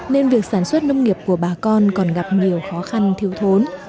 nên việc sản xuất nông nghiệp của bà con còn gặp nhiều khó khăn thiếu thốn